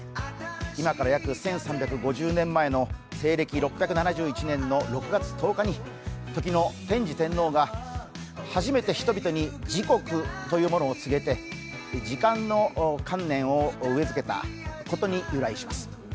今から約１３５０年前の西暦６７１年の６月１０日に時の天智天皇が初めて人々に時刻というものを告げて時間の観念を植えつけたことに由来します。